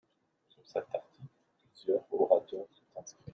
Sur cet article, plusieurs orateurs sont inscrits.